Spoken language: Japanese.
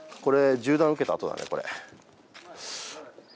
銃弾を受けたあとだね、これ。